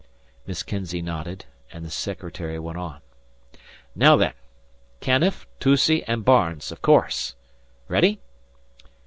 Miss Kinzey nodded, and the secretary went on. "Now then. Canniff, Toucey, and Barnes, of course. Ready?